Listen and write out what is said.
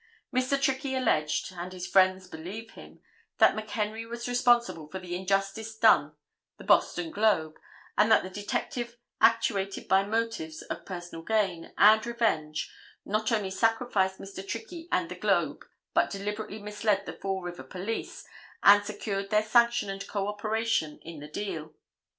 Mr. Trickey alleged, and his friends believe him, that McHenry was responsible for the injustice done the Boston Globe and that the detective actuated by motives of personal gain and revenge not only sacrificed Mr. Trickey and the Globe but deliberately misled the Fall River police and secured their sanction and co operation in the deal.